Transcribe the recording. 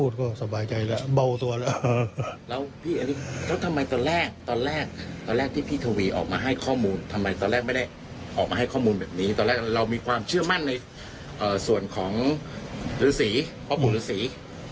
เรามีความเชื่อมั่นในส่วนของฤษีพ่อปู่ฤษี